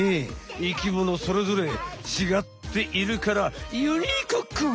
生きものそれぞれちがっているからユニークック！